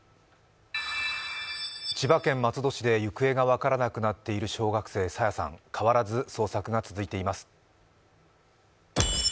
千葉県松戸市で行方が分からなくなっている小学生・朝芽さん変わらず捜索が続いています。